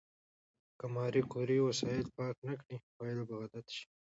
که ماري کوري وسایل پاک نه کړي، پایله به غلطه شي.